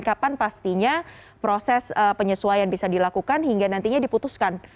kapan pastinya proses penyesuaian bisa dilakukan hingga nantinya diputuskan